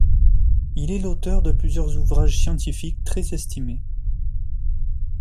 Il est l'auteur de plusieurs ouvrages scientifiques très estimés.